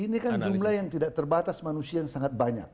ini kan jumlah yang tidak terbatas manusia yang sangat banyak